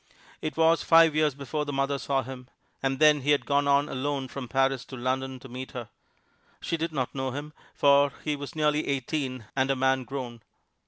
It was five years before the mother saw him. And then he had gone on alone from Paris to London to meet her. She did not know him, for he was nearly eighteen and a man grown.